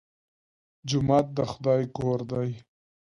جومات د خدای کور دی